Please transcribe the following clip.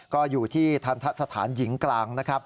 ก็อยู่ที่สถานหญิงกลาง